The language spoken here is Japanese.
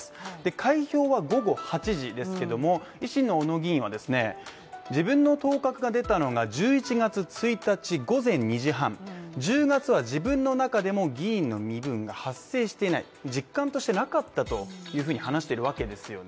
開票は午後８時ですけども、維新の小野議員はですね、自分の当確が出たのが１１月１日午前２時半、１０月は自分の中でも議員の身分が発生していない実感としてなかったというふうに話してるわけですよね